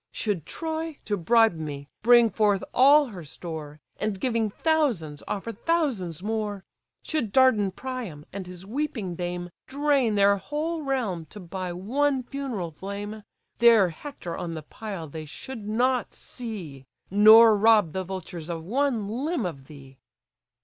Should Troy, to bribe me, bring forth all her store, And giving thousands, offer thousands more; Should Dardan Priam, and his weeping dame, Drain their whole realm to buy one funeral flame: Their Hector on the pile they should not see, Nor rob the vultures of one limb of thee."